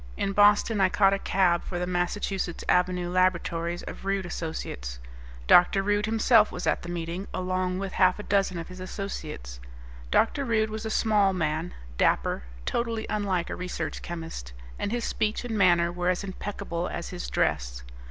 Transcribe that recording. In Boston I caught a cab for the Massachusetts Avenue laboratories of Rude Associates. Dr. Rude himself was at the meeting, along with half a dozen of his associates. Dr. Rude was a small man, dapper, totally unlike a research chemist, and his speech and manner were as impeccable as his dress.